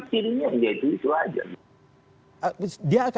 tetapi kirinya jadi itu aja